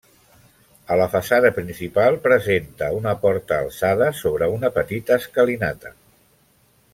A la façana principal presenta una porta alçada sobre una petita escalinata.